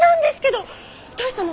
どうしたの？